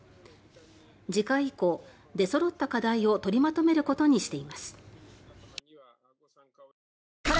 次回以降出そろった課題を取りまとめることにしています。